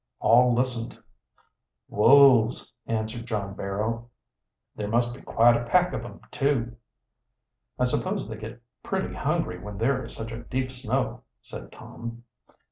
All listened. "Wolves!" answered John Barrow. "There must be quite a pack of 'em, too." "I suppose they get pretty hungry when there is such a deep snow," said Tom.